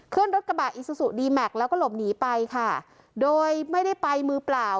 ขึ้นรถกระบะอีซูซูดีแม็กซ์แล้วก็หลบหนีไปค่ะโดยไม่ได้ไปมือเปล่า